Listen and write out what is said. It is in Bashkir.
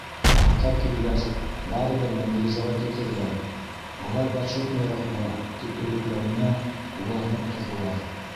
— Аҡтар килгәс, барыбер мобилизовать итерҙәр, былай почетныйыраҡ була, — тип өгөтләүенә улар ныҡ торҙолар: